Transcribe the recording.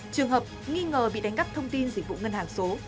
trường hợp nghi ngờ bị đánh cắp thông tin dịch vụ ngân hàng số